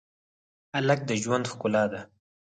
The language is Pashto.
هلک د ژوند ښکلا ده.